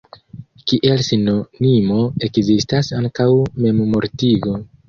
Kiel sinonimo ekzistas ankaŭ "memmortigo".